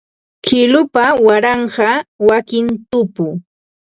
Kilupa waranqa wakin tupu